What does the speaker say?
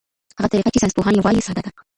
هغه طریقه چې ساینسپوهان یې وايي ساده ده.